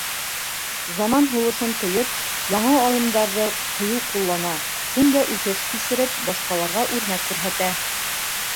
Заман һулышын тойоп, яңы алымдарҙы ҡыйыу ҡуллана, көн дә үҫеш кисереп, башҡаларға үрнәк күрһәтә.